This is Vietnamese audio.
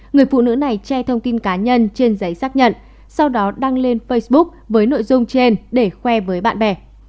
người phụ nữ này che thông tin cá nhân trên giấy xác nhận sau đó đăng lên facebook với nội dung trên để khoe với bạn bè